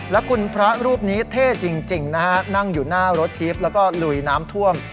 แล้วคุณพระรูปนี้เท่จริงนะฮะนั่งอยู่หน้ารถจิ๊บแล้วก็ลุยน้ำท่วม